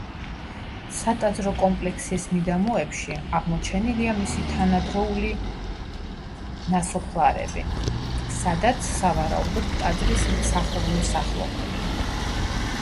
სატაძრო კომპლექსის მიდამოებში აღმოჩენილია მისი თანადროული ნასოფლარები, სადაც სავარაუდოდ ტაძრის მსახურნი სახლობდნენ.